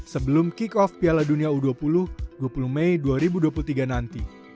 sebelum kick off piala dunia u dua puluh dua puluh mei dua ribu dua puluh tiga nanti